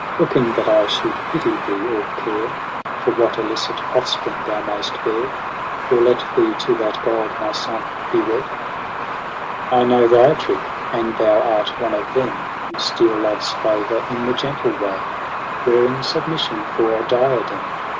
Looking that 1 should pity thee, or care For what illicit offspring thou mayst bear • Or let thee to that god my son be wed ? N 178 EROS ^ PSYCHE ay ' I know thy trick ; and thou art one of them Who steal love's favour in the gentle way, Wearing submission for a diadem.